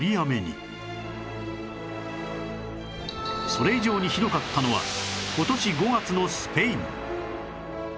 それ以上にひどかったのは今年５月のスペイン